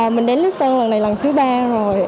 mình đến lý sơn lần này lần thứ ba rồi